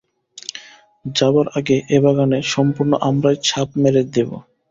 যাবার আগে এ বাগানে সম্পূর্ণ আমারই ছাপ মেরে দেব।